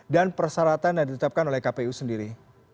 dan persyaratan yang diletakkan oleh kpu sendiri